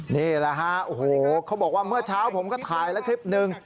นี่แหละฮะโอ้โหเขาบอกว่าเมื่อเช้าผมก็ถ่ายแล้วคลิปหนึ่ง